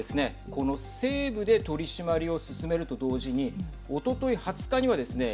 この西部で取締りを進めると同時におととい２０日にはですね